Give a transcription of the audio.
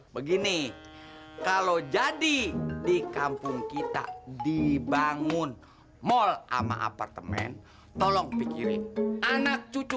begini kalau jadi di kampung kita dibangun mal sama apartemen tolong pikirin anak cucu